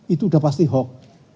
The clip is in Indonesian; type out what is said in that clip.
itu sudah pasti hock